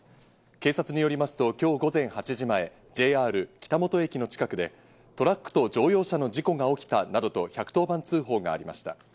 警察によりますと今日午前８時前、ＪＲ北本駅の近くで、トラックと乗用車の事故が起きたなどと、１１０番通報がありました。